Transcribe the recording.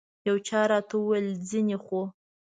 یو چا راته وویل ځینې خو.